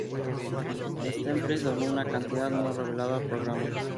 Staples donó una cantidad no revelada al programa.